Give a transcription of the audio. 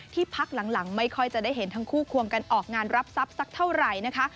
พักหลังไม่ค่อยจะได้เห็นทั้งคู่ควงกันออกงานรับทรัพย์สักเท่าไหร่นะคะ